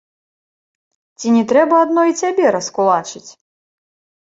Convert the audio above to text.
Ці не трэба адно і цябе раскулачыць?